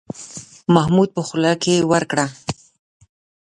محمود په خوله کې ورکړه.